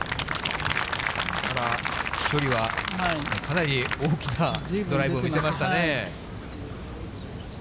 ただ、飛距離はかなり大きなドライブを見せましたね。